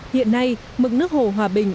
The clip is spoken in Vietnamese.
hiện nay mực nước hồ hòa bình